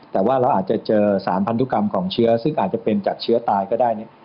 แต่ว่าเราอาจจะเจอสารพันธุกรรมของเชื้อซึ่งอาจจะเป็นจากเชื้อตายก็ได้เนี่ย